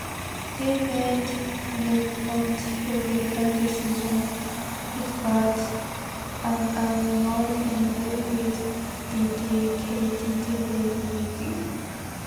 They went on to give a decision, which was unanimous and which vindicated Daigle.